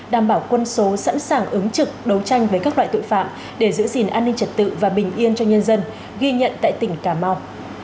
đảm bảo quân số sẵn sàng ứng trực đấu tranh với các loại tội phạm để giữ gìn an ninh trật tự và bình yên cho nhân dân ghi nhận tại tỉnh cà mau